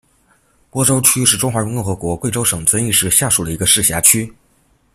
播州区是中华人民共和国贵州省遵义市下属的一个市辖区。